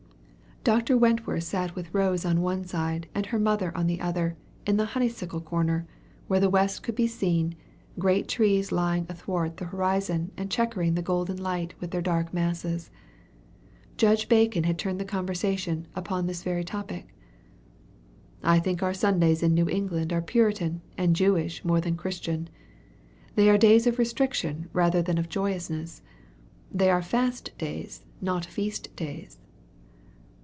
Dr. Wentworth sat with Rose on one side and her mother on the other, in the honeysuckle corner, where the west could be seen, great trees lying athwart the horizon and checkering the golden light with their dark masses. Judge Bacon had turned the conversation upon this very topic. "I think our Sundays in New England are Puritan and Jewish more than Christian. They are days of restriction rather than of joyousness. They are fast days, not feast days."